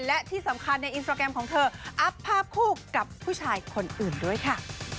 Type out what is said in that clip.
และที่สำคัญในอินสตราแกรมของเธออัพภาพคู่กับผู้ชายคนอื่นด้วยค่ะ